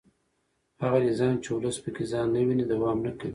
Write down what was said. هغه نظام چې ولس پکې ځان نه ویني دوام نه کوي